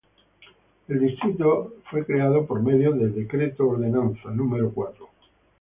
El distrito fue creado por medio de Decreto Ordenanza No.